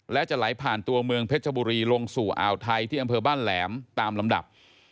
และจะไหลผ่านตัวเมืองเพชรบุรีลงสู่อ่าวไทยที่อำเภอบ้านแหลมตามลำดับ